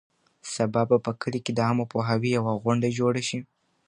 سبا به په کلي کې د عامه پوهاوي یوه غونډه جوړه شي.